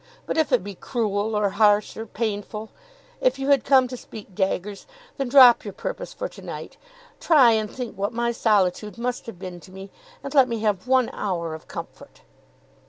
But if it be cruel, or harsh, or painful; if you had come to speak daggers; then drop your purpose for to night. Try and think what my solitude must have been to me, and let me have one hour of comfort."